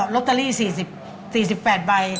ลอตเตอรี่๔๘ใบ